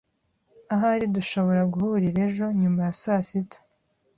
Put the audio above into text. Ahari dushobora guhurira ejo nyuma ya saa sita.